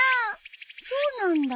そうなんだ。